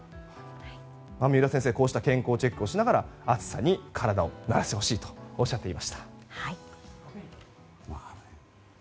三浦先生はこうした健康チェックをしながら暑さに体を慣らしてほしいとおっしゃっていました。